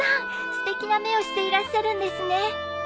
すてきな目をしていらっしゃるんですね